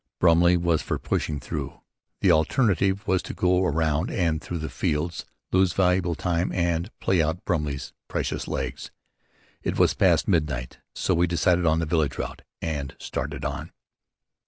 Brumley was for pushing through. The alternative was to go round and through the fields, lose valuable time and play out Brumley's precious legs. It was past midnight, so we decided on the village route, and started on.